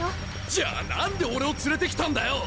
じゃあ何で俺を連れてきたんだよ！